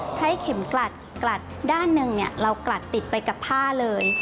ใช้เข็มกลัดกลัดด้านหนึ่งเรากลัดติดไปกับผ้าเลย